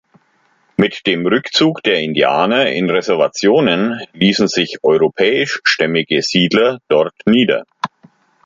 Mit dem Rückzug der Indianer in Reservationen ließen sich europäischstämmige Siedler dort nieder.